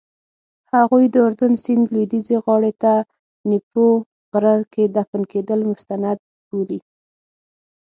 هغوی د اردن سیند لویدیځې غاړې ته نیپو غره کې دفن کېدل مستند بولي.